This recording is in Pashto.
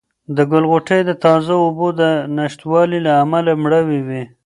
د ګل غوټۍ د تازه اوبو د نشتوالي له امله مړاوې وې.